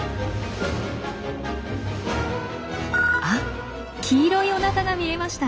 あ黄色いおなかが見えました。